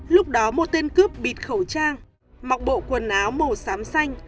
lúc đó một tên cướp bịt khẩu trang mọc bộ quần áo màu xám xanh